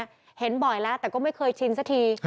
เห็นบ่อยแล้วแต่ก็ไม่เคยชินสักที